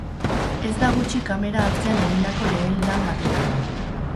Ez da gutxi kamera atzean egindako lehen lan baterako.